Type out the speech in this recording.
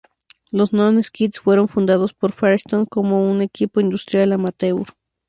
Los Non-Skids fueron fundados por Firestone como un equipo industrial amateur.